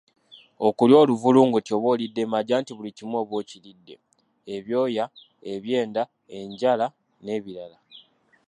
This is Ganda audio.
Okulya oluvulunguti oba olidde magi anti buli kimu oba okiridde ebyoya, ebyenda, enjala n'ebirala.